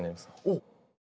おっ！